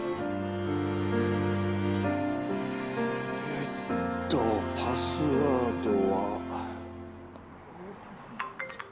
えっとパスワードは。えっ？ああ！